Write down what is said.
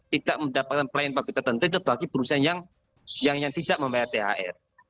tidak mendapatkan pelayanan publik tertentu itu bagi perusahaan yang tidak membayar thr